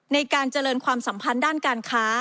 ในการเจริญความสัมพันธ์ด้านการค้า